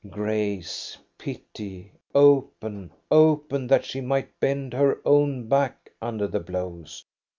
Grace ! pity ! Open, open, that she might bend her own back under the blows